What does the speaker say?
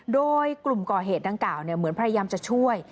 โดยกลุ่มก่อเหตุดังกล่าวเหมือนพยายามจะช่วย